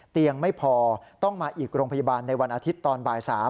เตียงไม่พอต้องมาอีกโรงพยาบาลในวันอาทิตย์ตอนบ่าย๓